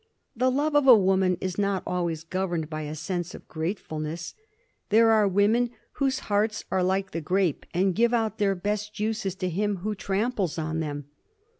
The love of a woman is not always governed by a sense of gratefulness. There are women whose hearts are like the grape, and give out their best juices to him who tramples on them.